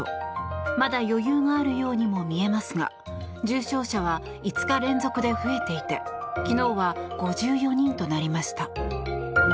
まだ余裕のあるようにも見えますが重症者は５日連続で増えていて昨日は５４人となりました。